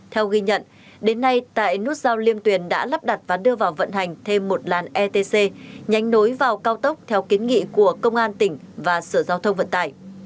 theo ghi nhận đến nay tại nút giao liêm tuyền đã lắp đặt và đưa vào vận hành thêm một làn etc nhanh nối vào cao tốc theo kiến nghị của công an tỉnh và sở giao thông vận tải